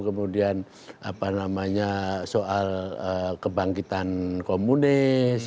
kemudian apa namanya soal kebangkitan komunis